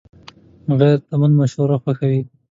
غیرتمند مشوره خوښوي